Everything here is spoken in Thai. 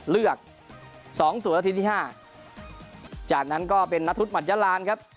เลือก๒๐ละทีที่๕จากนั้นก็เป็นนทุศหมัดยะลานครับ